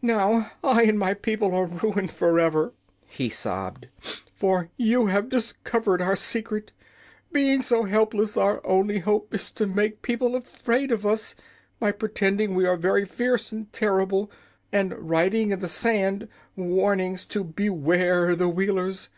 "Now I and my people are ruined forever!" he sobbed; "for you have discovered our secret. Being so helpless, our only hope is to make people afraid of us, by pretending we are very fierce and terrible, and writing in the sand warnings to Beware the Wheelers.